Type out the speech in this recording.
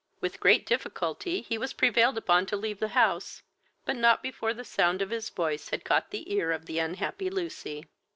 With great difficulty he was prevailed upon to leave the house, but not before the sound of his voice had caught the ear of the unhappy Lucy.